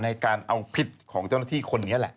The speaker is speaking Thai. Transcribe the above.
ในการเอาผิดของเจ้าหน้าที่คนนี้แหละ